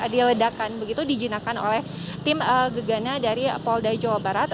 diledakan begitu dijinakan oleh tim gegana dari polda jawa barat